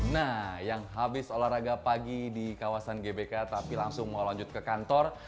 nah yang habis olahraga pagi di kawasan gbk tapi langsung mau lanjut ke kantor